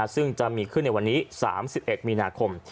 ซึ่งจะมีขึ้นในวันนี้๓๑มีนาคม